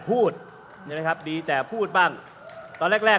คุณจิลายุเขาบอกว่ามันควรทำงานร่วมกัน